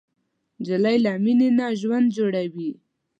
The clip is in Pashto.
نجلۍ له مینې نه ژوند جوړوي.